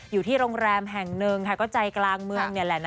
อยู่ที่โรงแรมแห่งหนึ่งค่ะก็ใจกลางเมืองนี่แหละนะ